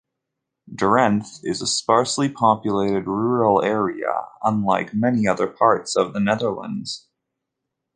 Drenthe is a sparsely populated rural area, unlike many other parts of the Netherlands.